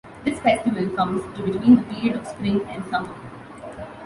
This festival comes to between the period of spring and summer.